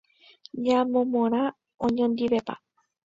Ñamomorã oñondivepa.